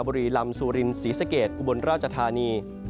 บุรีลำซูรินศรีสะเกดอุบลราชธานี